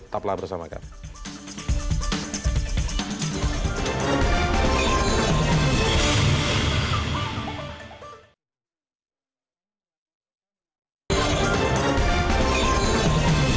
tetaplah bersama kami